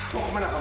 mau ke mana pak